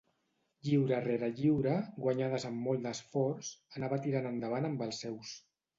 Lliura rere lliura, guanyades amb molt d'esforç, anava tirant endavant amb els seus.